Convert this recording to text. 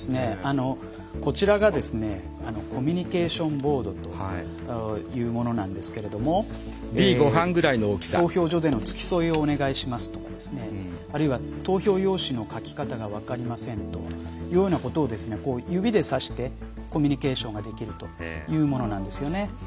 こちらがコミュニケーションボードというものなんですけれども投票所での付き添いをお願いしますとかあるいは、投票用紙の書き方が分かりませんというようなことを指でさしてコミュニケーションができるというものなんですよね。